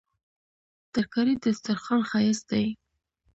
ترکاري د سترخوان ښايست دی